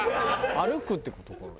歩くって事かな？